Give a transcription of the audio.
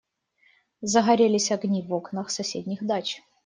Загорелись огни в окнах соседних дач.